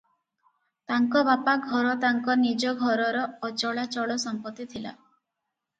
ତାଙ୍କ ବାପା ଘର ତାଙ୍କ ନିଜ ଘରର ଅଚଳାଚଳ ସମ୍ପତ୍ତି ଥିଲା ।